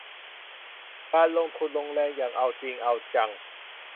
การลงทุนลงแรงอย่างเอาจริงเอาจัง